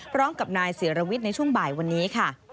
พร้อมกับนายศิรวิทย์ในช่วงบ่ายวันนี้ค่ะ